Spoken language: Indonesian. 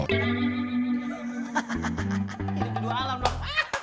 hahaha ini kedua alam dong